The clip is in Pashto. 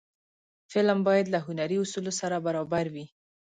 فلم باید له هنري اصولو سره برابر وي